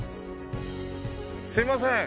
すいません